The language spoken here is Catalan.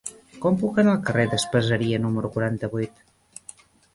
Com puc anar al carrer d'Espaseria número quaranta-vuit?